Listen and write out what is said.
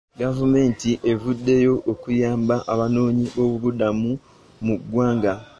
Gavumenti evuddeyo okuyamba abanoonyi b'obubuddamu mu ggwanga.